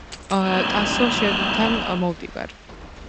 ტასოო შენთან მოვდივარ